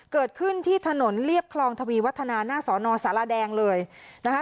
เกิดขึ้นที่ถนนเรียบคลองทวีวัฒนาหน้าสอนอสารแดงเลยนะคะ